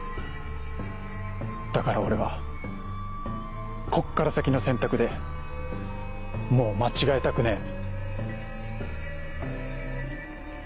だから俺はこっから先の選択でもう間違えたくねえ。